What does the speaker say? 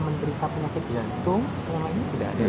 terdiri dari vaksin dari sinovac